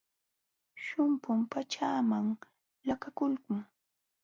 Shumpum pachaaman laqakulqun.